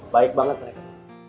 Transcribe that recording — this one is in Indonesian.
baik banget mereka